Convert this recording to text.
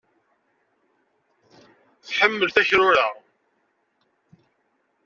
Tḥemmel takrura.